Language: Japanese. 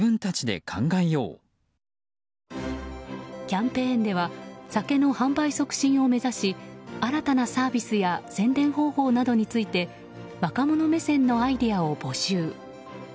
キャンペーンでは酒の販売促進を目指し新たなサービスや宣伝方法などについて若者目線のアイデアを募集。